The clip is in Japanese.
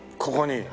ここに？